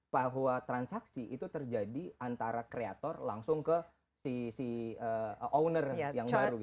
bahwa transaksi itu terjadi antara kreator langsung ke si owner yang baru